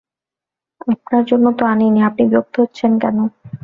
আপনার জন্যে তো আনি নি, আপনি বিরক্ত হচ্ছেন কেন?